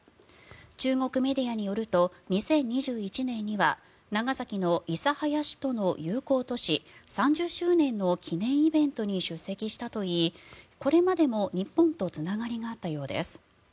中国メディアによると２０２１年には長崎の諫早市との友好都市３０周年の記念イベントに出席したといいこれまでも日本とつながりがあったようです。